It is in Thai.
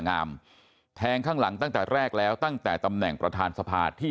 งามแทงข้างหลังตั้งแต่แรกแล้วตั้งแต่ตำแหน่งประธานสภาที่